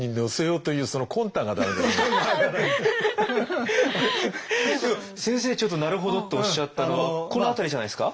でも先生ちょっと「なるほど」っておっしゃったのはこの辺りじゃないですか。